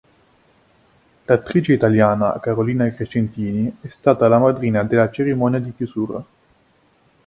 L'attrice italiana Carolina Crescentini è stata la madrina della cerimonia di chiusura.